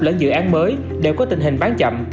lẫn dự án mới đều có tình hình bán chậm